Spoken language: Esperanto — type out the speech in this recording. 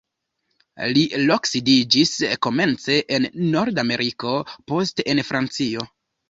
Li loksidiĝis komence en Nord-Ameriko, poste en Francio.